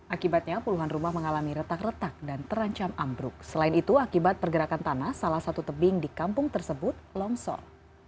akibatnya puluhan rumah mengalami retak retak dan terancam ambruk selain itu akibat pergerakan tanah salah satu tebing di kampung tersebut longsor